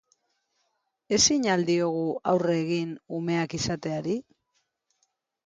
Ezin al diogu aurre egin umeak izateari?